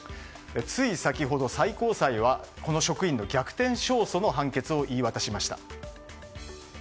つい先ほど、最高裁はこの職員の逆転勝訴の判決を言い渡しました。